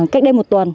cách đây một tuần